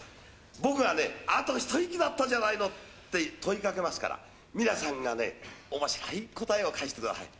僕がね、あと一息だったじゃないのって問いかけますから、皆さんがね、おもしろい答えを返してください。